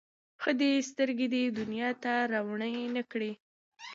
ښه دی سترګي دي دنیا ته روڼي نه کړې